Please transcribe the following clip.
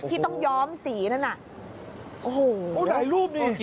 ที่ต้องยอมสีนั่นอ่ะโหแหลกรูปนี่